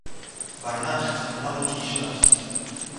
בײַ נאַכט זענען אַלע קי שוואַרץ.